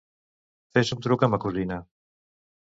Fes un truc a ma cosina.